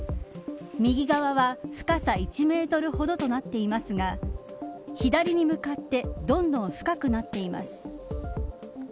右側は深さ１メートルほどとなっていますが左に向かってどんどん深くなっています。